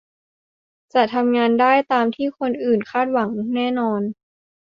จะทำงานได้ตามที่คนอื่นคาดหวังแน่นอน